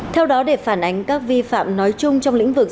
theo đó để phản ánh các vi phạm nói chung trong lĩnh vực